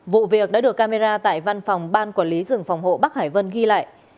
vụ việc đã được camera tại văn phòng ban quản lý rừng phòng hộ bắc hải vân ghi lại